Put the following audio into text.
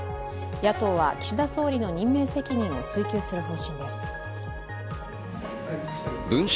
野党は岸田総理の任命責任を追及する方針です文春